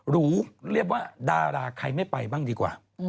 หรูเรียกว่าดาราใครไม่ไปบ้างดีกว่า